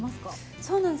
そうなんです。